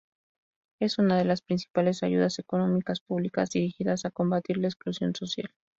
Es una de las principales ayudas económicas públicas dirigidas a combatir la exclusión social.